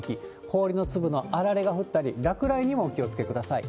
氷の粒のあられが降ったり、落雷にもお気をつけください。